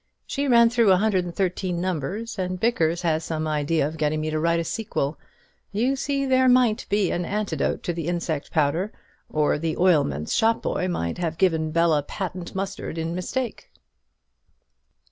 She ran through a hundred and thirteen numbers, and Bickers has some idea of getting me to write a sequel. You see there might be an antidote to the insect powder, or the oilman's shop boy might have given Bella patent mustard in mistake."